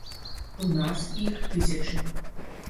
У нас іх тысячы.